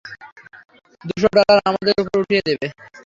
দুশো ডলার আমাদের উপরে উঠিয়ে দেবে।